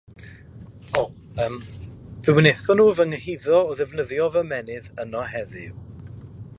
Fe wnaethon nhw fy nghyhuddo o ddefnyddio fy ymennydd yno heddiw.